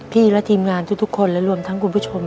และทีมงานทุกคนและรวมทั้งคุณผู้ชม